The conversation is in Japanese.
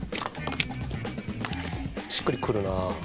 しっくりくるな。